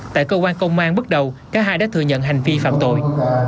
tại cơ quan công an bước đầu cả hai đã thừa nhận hành vi phạm tội